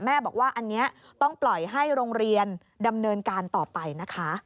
บอกว่าอันนี้ต้องปล่อยให้โรงเรียนดำเนินการต่อไปนะคะ